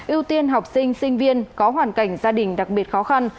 ưu tiên học sinh sinh viên có hoàn cảnh gia đình đặc biệt khó khăn